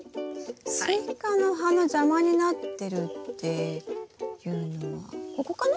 スイカの葉の邪魔になってるっていうのはここかな？